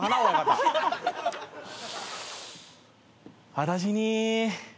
私に。